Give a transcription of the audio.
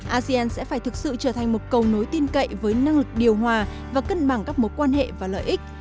asean sẽ phải thực sự trở thành một cầu nối tin cậy với năng lực điều hòa và cân bằng các mối quan hệ và lợi ích